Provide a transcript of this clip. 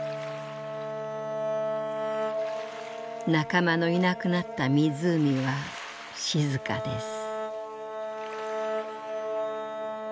「仲間のいなくなった湖は静かです」。